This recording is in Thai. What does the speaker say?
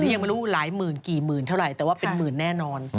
นี่ยังไม่รู้หลายหมื่นกี่หมื่นเท่าไหร่แต่ว่าเป็นหมื่นแน่นอน